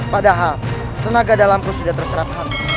padahal tenaga dalamku sudah terserapkan